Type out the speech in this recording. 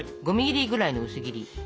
５ｍｍぐらいの薄切り。